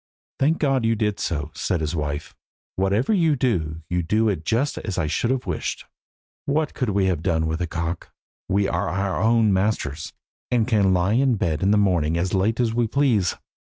"Thank God you did so," said his wife; "whatever you do you do it just as I should have wished. What could we have done with a cock? We are our own masters, and can lie in bed in the morning as late as we please.